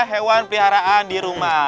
hewan peliharaan di rumah